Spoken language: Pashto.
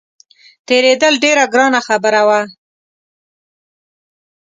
تېرېدل ډېره ګرانه خبره وه.